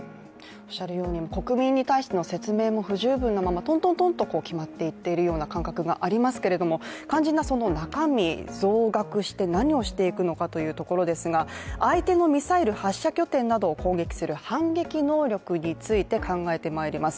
国民に対しての説明も不十分なまま、とんとんと決まっていっているような感じがありますけど、肝心な中身、増額して何をしていくのかというところですけれども、相手のミサイル発射拠点などを攻撃する反撃能力について考えてまいります。